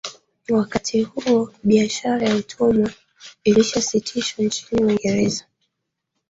Wakati huo biashara ya utumwa ilishasitishwa nchini Uingireza